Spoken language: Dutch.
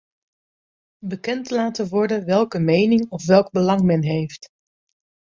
Bekend laten worden welke mening of welk belang men heeft.